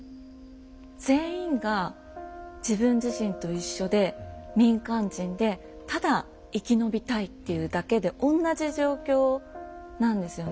全員が自分自身と一緒で民間人でただ生き延びたいっていうだけで同じ状況なんですよね。